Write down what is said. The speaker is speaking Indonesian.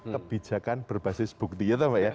kebijakan berbasis bukti